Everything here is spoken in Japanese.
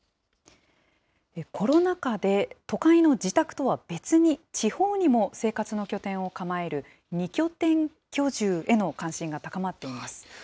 コロナ禍で、都会の自宅とは別に、地方にも生活の拠点を構える２拠点居住への関心が高まっています。